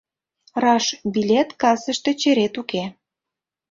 Раш, билет кассыште черет уке.